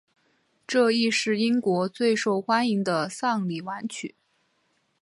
这亦是英国最受欢迎的丧礼挽曲。